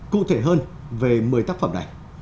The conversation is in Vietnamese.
cụ thể hơn về một mươi tác phẩm này